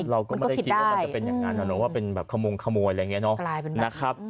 เราก็ไม่ได้คิดว่าจะเป็นอย่างนั้นหรือว่าเป็นขมงขโมยอะไรอย่างนี้นะ